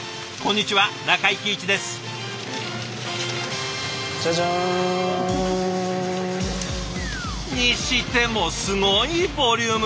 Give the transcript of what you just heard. にしてもすごいボリューム。